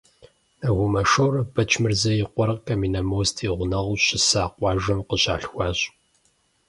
Нэгумэ Шорэ Бэчмырзэ и къуэр Каменномост и гъунэгъуу щыса къуажэм къыщалъхуащ.